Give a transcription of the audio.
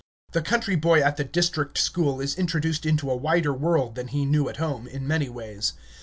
The country boy at the district school is introduced into a wider world than he knew at home, in many ways.